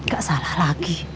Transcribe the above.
gak salah lagi